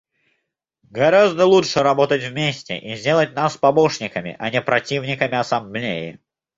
Гораздо лучше работать вместе и сделать нас помощниками, а не противниками Ассамблеи.